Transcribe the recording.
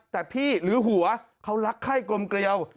แต่พี่หรือหัวเขารักไข้กลมเกลียว